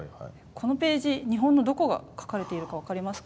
このページ日本のどこが書かれているか分かりますか？